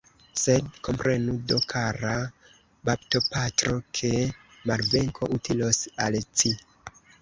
Sed komprenu do, kara baptopatro, ke malvenko utilos al ci.